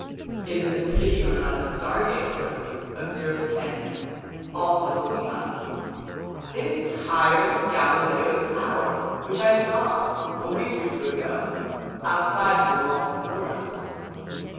"It is a pity you are not a star gazer," observed Kenyon, also looking up. "It is higher than Galileo's tower, which I saw, a week or two ago, outside of the walls of Florence."